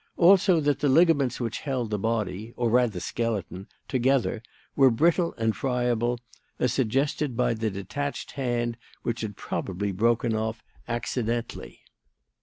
Also that the ligaments which held the body or rather skeleton together were brittle and friable, as suggested by the detached hand, which had probably broken off accidentally.